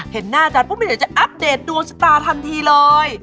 เห็นหน้าอาจารย์ปุ๊บเดี๋ยวจะอัปเดตดวงชะตาทันทีเลย